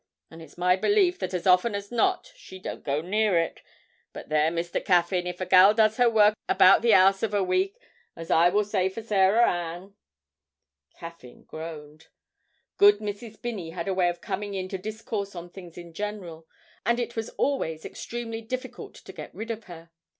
and it's my belief that as often as not she don't go near it. But there, Mr. Caffyn, if a gal does her work about the 'ouse of a week, as I will say for Sarah Ann ' Caffyn groaned. Good Mrs. Binney had a way of coming in to discourse on things in general, and it was always extremely difficult to get rid of her.